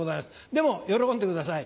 でも喜んでください。